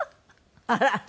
あら！